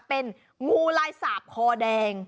เป็นงูลายสาบคอแดง